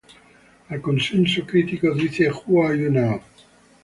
El consenso crítico dice: "Who Are You Now?